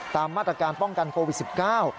ตามมาตรการป้องกันโควิดสิบเก้า